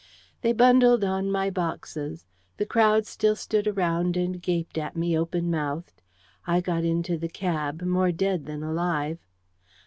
They bundled on my boxes. The crowd still stood around and gaped at me, open mouthed. I got into the cab, more dead than alive.